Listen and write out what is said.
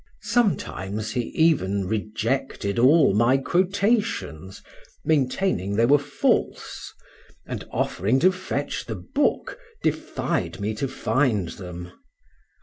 Sometimes he even rejected all my quotations, maintaining they were false, and, offering to fetch the book, defied me to find them.